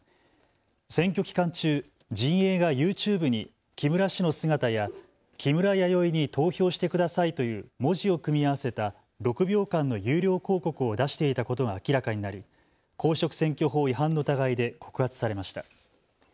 選挙期間中、陣営がＹｏｕＴｕｂｅに木村氏の姿や木村やよいに投票してくださいという文字を組み合わせた６秒間の有料広告を出していたことが明らかになり公職選挙法違反の疑いで告発されました。